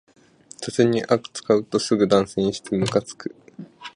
雑に扱うとすぐに断線してムカつく